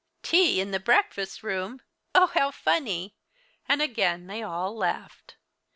"Tea in the breakfast room. Oh, how funny!" And again they all laughed.